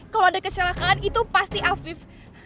kalau ada kecelakaan itu pasti afif